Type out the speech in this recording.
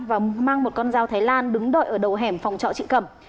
và mang một con dao thái lan đứng đợi ở đầu hẻm phòng trọ chị cầm